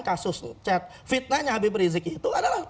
kasus chat fitnanya habib rizky itu adalah